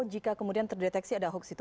jika kemudian terdeteksi ada hoax itu